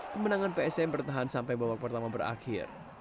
kemenangan psm bertahan sampai babak pertama berakhir